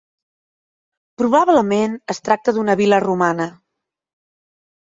Probablement es tracta d'una vila romana.